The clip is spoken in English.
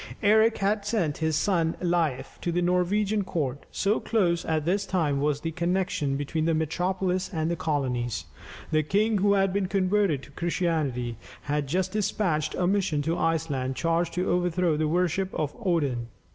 Eric had sent his son Leif to the Norwegian court, so close at this time was the connexion between the metropolis and the colonies. The king, who had been converted to Christianity, had just despatched a mission to Iceland charged to overthrow the worship of Odin.